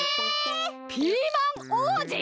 ピーマンおうじ！？